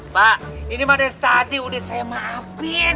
pak ini pada tadi sudah saya maafkan